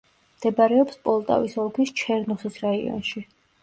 მდებარეობს პოლტავის ოლქის ჩერნუხის რაიონში.